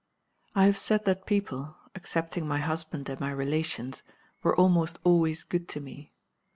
9. "I have said that people (excepting my husband and my relations) were almost always good to me.